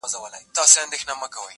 چي نیکونو به ویله بس همدغه انقلاب دی!!